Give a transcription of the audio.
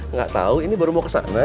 nggak tahu ini baru mau ke sana